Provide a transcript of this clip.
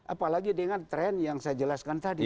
apalagi dengan tren yang saya jelaskan tadi